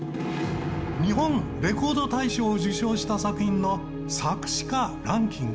日本レコード大賞を受賞した作品の作詞家ランキング。